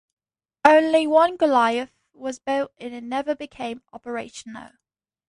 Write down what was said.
Only one Goliath was built and it never became operational.